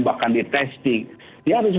bahkan di testing dia harus